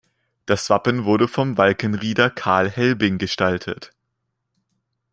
Das Wappen wurde vom Walkenrieder Karl Helbing gestaltet.